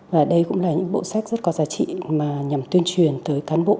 và đây cũng là những bộ sách rất có giá trị mà nhằm tuyên truyền tới cán bộ